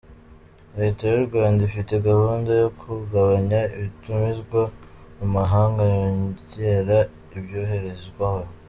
Leta y’u Rwanda ifite gahunda yo kugabanya ibitumizwa mu mahanga yongera ibyoherezwayo.